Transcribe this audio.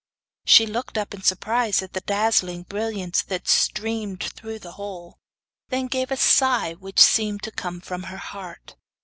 She looked up in surprise at the dazzling brilliance that streamed through the hole; then gave a sigh which seemed to come from her heart.